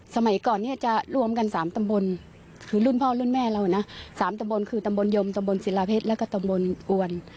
สมัยก่อนจะรวมกัน๓ตำบลคือรุ่นพ่อรุ่นแม่ตำบลยมศิลาเพชรและอวร